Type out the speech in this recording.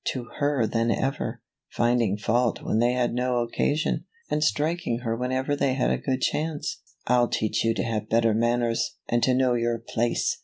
to her than ever, finding fault when they had no occasion, and striking her whenever they had a good chance. " I'll teach you to have better manners, and to know your place!